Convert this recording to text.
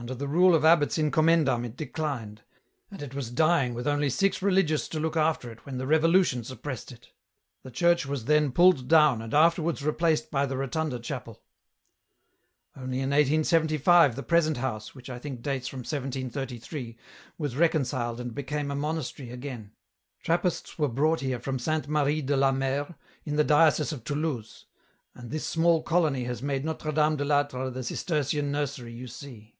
Under the rule of abbots in commendam it declined, and it was dying with only six religious to look after it when the Revolution suppressed it. The church was then pulled down and afterwards replaced by the rotunda chapel. "Only in 1875 the present house, which I think dates from 1733, was reconciled and became a monastery again. Trappists were brought here from Sainte Marie de la Mer, in the diocese of Toulouse, and this small colony has made Notre Dame de "Atre the Cistercian nursery you see.